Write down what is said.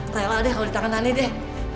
rela deh kalau di tangan ani deh